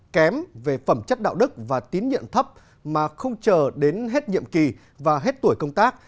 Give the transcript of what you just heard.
kém về phẩm chất đạo đức và tín nhiệm thấp mà không chờ đến hết nhiệm kỳ và hết tuổi công tác